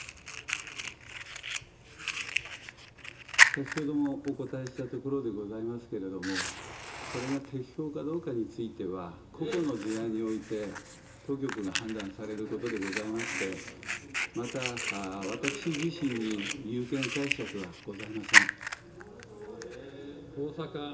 先ほどもお答えしたところでございますけれども、それが適法かどうかについては、個々の事案において当局が判断されることでございまして、また、私自身にゆうけん解釈はございません。